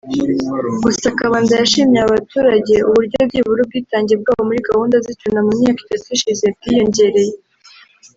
Gusa Kabanda yashimye aba baturage uburyo byibura ubwitange bwabo muri gahunda z’icyunamo mu myaka itatu ishize bwiyongereye